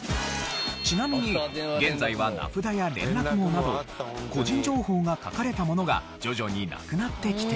ちなみに現在は名札や連絡網など個人情報が書かれたものが徐々になくなってきており。